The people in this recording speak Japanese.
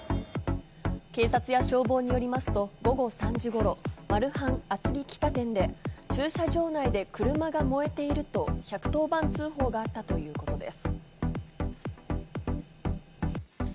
警察や消防によりますと、午後３時ごろ、マルハン厚木北店で駐車場内で車が燃えていると１１０番通報があったということです。